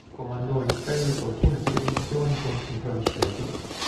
Comandò in seguito alcune spedizioni contro i francesi.